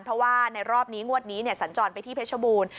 เพราะว่าในรอบนี้งวดนี้สัญจรไปที่เพชรบูรณ์